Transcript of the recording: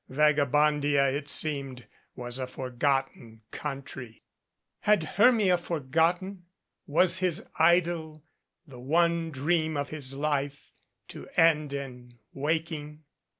Vagabondia, it seemed, was a forgotten country. Had Hermia forgotten? Was his idyl, the one dream of his life, to end in waking?